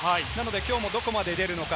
きょうも、どこまで出るのか。